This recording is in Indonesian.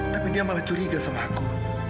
tapi dia malah curiga sama aku